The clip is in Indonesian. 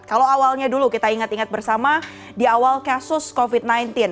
kalau awalnya dulu kita ingat ingat bersama di awal kasus covid sembilan belas